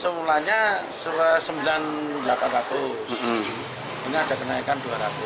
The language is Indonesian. semulanya sembilan delapan ratus ini ada kenaikan dua ratus